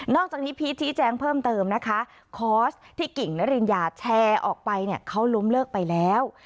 อกจากนี้พีชชี้แจงเพิ่มเติมนะคะคอร์สที่กิ่งนริญญาแชร์ออกไปเนี่ยเขาล้มเลิกไปแล้ว